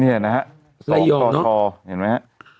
เนี่ยนะฮะไลยองเนอะทองทอทอเห็นไหมฮะ